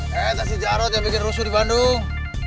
hei itu si jarod yang bikin rusuh di bandung